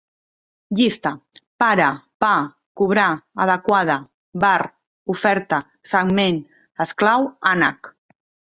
Llista: pare, pa, cobrar, adequada, bar, oferta, segment, esclau, ànec